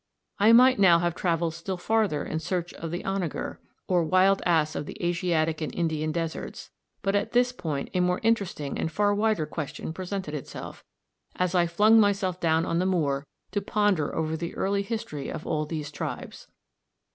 I might now have travelled still farther in search of the Onager, or wild ass of the Asiatic and Indian deserts, but at this point a more interesting and far wider question presented itself, as I flung myself down on the moor to ponder over the early history of all these tribes.